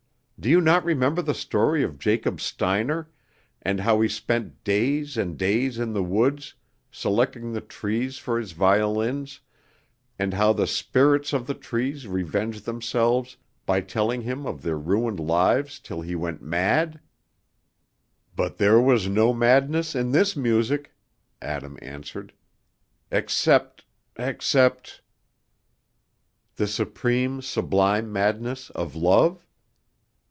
Do you not remember the story of Jacob Steiner, and how he spent days and days in the woods, selecting the trees for his violins, and how the spirits of the trees revenged themselves by telling him of their ruined lives till he went mad?" "But there was no madness in this music," Adam answered, "except, except " "The supreme, sublime madness of love?